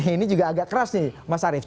ini juga agak keras nih mas arief